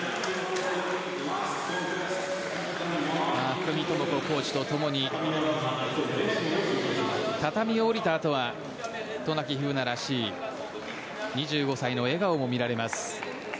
福見友子コーチとともに畳を下りたあとは渡名喜風南らしい２５歳の笑顔も見られます。